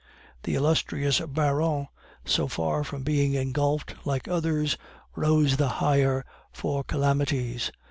The illustrious Baron, so far from being engulfed like others, rose the higher for calamities.